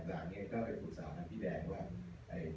แต่อาจารย์เนี่ยก็สาเหตุที่แดดว่า